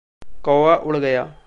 कौआ उड़ गया।